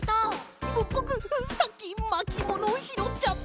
ぼぼくさっきまきものをひろっちゃった！